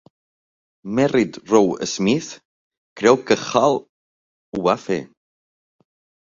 Merrit Roe Smith creu que Hall ho va fer.